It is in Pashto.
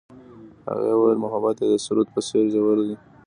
هغې وویل محبت یې د سرود په څېر ژور دی.